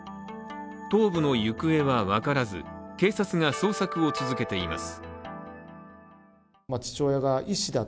頭部の行方は分からず、警察が捜索を続けています。